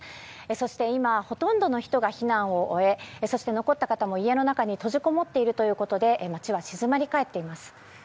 そして今ほとんどの人が避難を終えそして残った方も家の中に閉じこもっているということで街は静まり返っています。